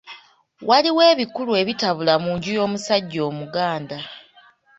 Waliwo ebikulu ebitabula mu nju y’omusajja Omuganda.